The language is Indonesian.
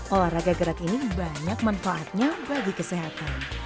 olahraga gerak ini banyak manfaatnya bagi kesehatan